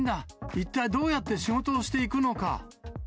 一体どうやって仕事をしていくのか。